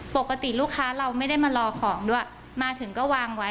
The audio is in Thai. ปกติลูกค้าเราไม่ได้มารอของด้วยมาถึงก็วางไว้